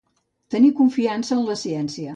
Tenir confiança en la ciència.